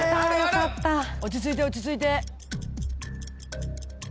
落ち着いて落ち着いて。